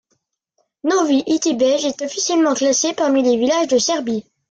Novi Itebej est officiellement classé parmi les villages de Serbie.